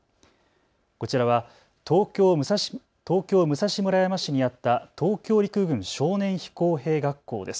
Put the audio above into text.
こちらは東京武蔵村山市にあった東京陸軍少年飛行兵学校です。